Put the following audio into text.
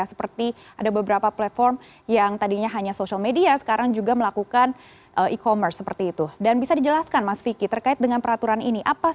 selamat pagi mbak megi